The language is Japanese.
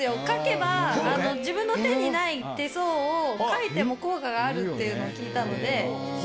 書けば、自分の手にない手相を書いても効果があるっていうのを聞いたので。